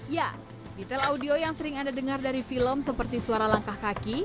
ya detail audio yang sering anda dengar dari film seperti suara langkah kaki